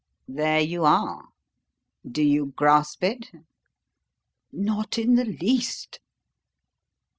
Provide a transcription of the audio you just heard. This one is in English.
There you are. Do you grasp it?" "Not in the least."